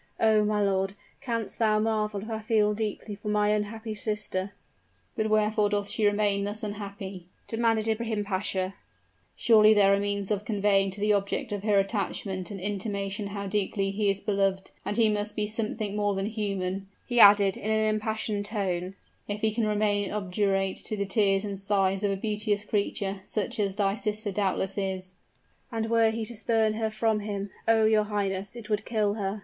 Oh! my lord, canst thou marvel if I feel deeply for my unhappy sister?" "But wherefore doth she remain thus unhappy?" demanded Ibrahim Pasha. "Surely there are means of conveying to the object of her attachment an intimation how deeply he is beloved? and he must be something more than human," he added, in an impassioned tone, "if he can remain obdurate to the tears and sighs of a beauteous creature, such as thy sister doubtless is." "And were he to spurn her from him oh! your highness, it would kill her!"